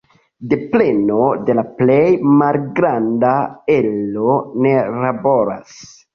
Do preno de la plej malgranda ero ne laboras.